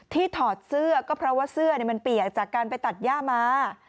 ถอดเสื้อก็เพราะว่าเสื้อมันเปียกจากการไปตัดย่ามา